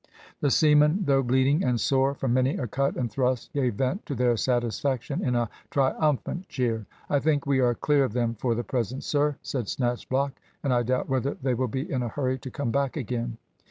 The seamen, though bleeding and sore from many a cut and thrust, gave vent to their satisfaction in a triumphant cheer. "I think we are clear of them for the present, sir," said Snatchblock, "and I doubt whether they will be in a hurry to come back again."